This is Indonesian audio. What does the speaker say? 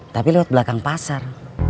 tapi lewat belakang pasar